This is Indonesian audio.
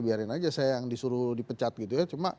biarin aja saya yang disuruh dipecat gitu ya